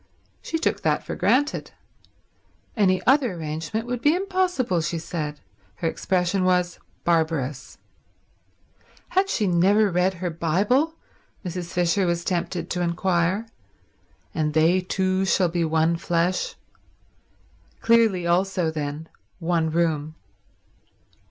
She took that for granted. Any other arrangement would be impossible, she said; her expression was, Barbarous. Had she never read her Bible, Mrs. Fisher was tempted to inquire—And they two shall be one flesh? Clearly also, then, one room.